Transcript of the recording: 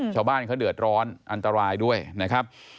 ชาวบ้านเขาเดือดร้อนอันตรายด้วยนะครับ